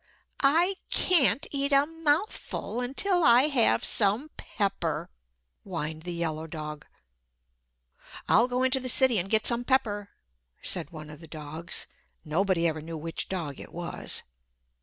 "I can't eat a mouthful until I have some pepper," whined the yellow dog. "I'll go into the city and get some pepper," said one of the dogs. Nobody ever knew which dog it was.